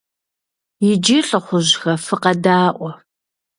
Иджы, лӀыхъужьхэ, фыкъэдаӀуэ!